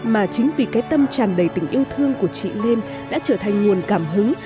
mà chính vì cái tâm tràn đầy tình yêu thương của chị lên đã trở thành nguồn cảm hứng